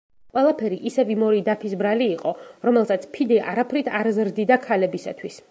ყველაფერი ისევ იმ ორი დაფის ბრალი იყო, რომელსაც ფიდე არაფრით არ ზრდიდა ქალებისათვის.